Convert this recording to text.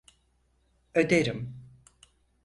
Öderim.